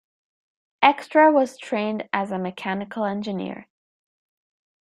Extra was trained as a mechanical engineer.